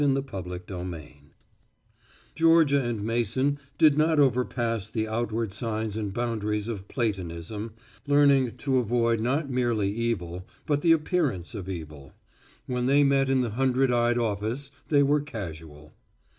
IX THE PRETENDERS Georgia and Mason did not overpass the outward signs and boundaries of platonism, learning to avoid not merely evil, but the appearance of evil. When they met in the hundred eyed office they were casual.